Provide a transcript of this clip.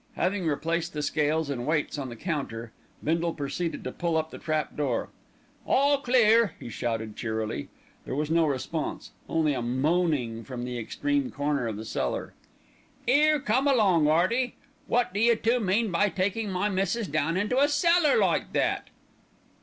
Having replaced the scales and weights on the counter, Bindle proceeded to pull up the trap door. "All clear!" he shouted cheerily. There was no response, only a moaning from the extreme corner of the cellar. "'Ere, come along, 'Earty. Wot d'you two mean by takin' my missis down into a cellar like that?"